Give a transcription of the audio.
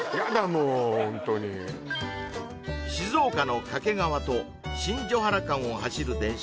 もうホントに静岡の掛川と新所原間を走る電車